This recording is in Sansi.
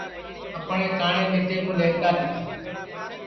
اپٹؔے کاٹؔے ٻیٹے کُو لئیوتا تیا یا اپٹؔے ائبی ٻیٹے کے نتر ٻو بند کری دؔیا